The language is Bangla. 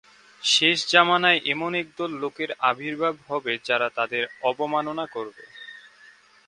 শেষ যামানায় এমন একদল লোকের আবির্ভাব হবে যারা তাদের অবমাননা করবে।